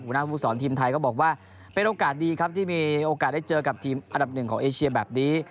หัวหน้าภูมิสอนทีมไทยก็บอกว่าเป็นโอกาสดีครับที่มีโอกาสได้เจอกับทีมอันดับหนึ่งของเอเชียแบบนี้